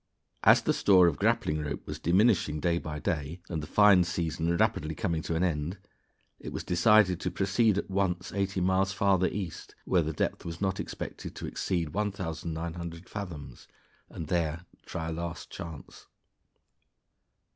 As the store of grappling rope was diminishing day by day, and the fine season rapidly coming to an end, it was decided to proceed at once eighty miles farther east, where the depth was not expected to exceed 1,900 fathoms, and there try a last chance.